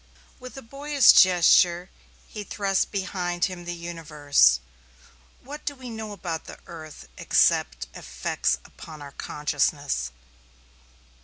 With a boyish gesture he thrust behind him the universe. "What do we know about the earth, except effects upon our consciousness?